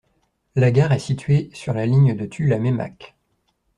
La gare est située sur la ligne de Tulle à Meymac.